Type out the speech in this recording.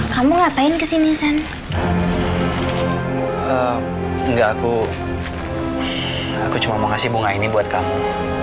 kamu ngapain kesini sen enggak aku aku cuma mau kasih bunga ini buat kamu